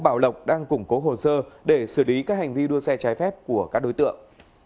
bảo lộc đang củng cố hồ sơ để xử lý các hành vi đua xe trái phép của các đối tượng